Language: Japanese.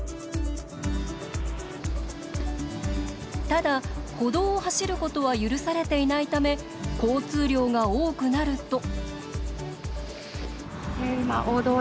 ただ歩道を走ることは許されていないため交通量が多くなると。